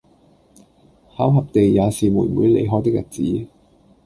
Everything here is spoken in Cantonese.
巧合地也是妹妹離開的日子，